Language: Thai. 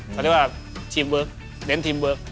เขาเรียกว่าทีมเวิร์ค